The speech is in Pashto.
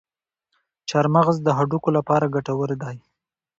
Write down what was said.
چارمغز د هډوکو لپاره ګټور دی.